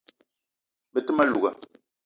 Be te ma louga